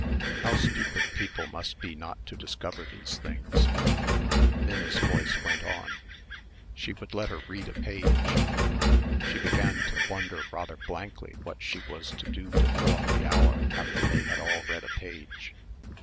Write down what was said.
How stupid people must be not to discover these things. Minna's voice went on. She would let her read a page. She began to wonder rather blankly what she was to do to fill up the hour after they had all read a page.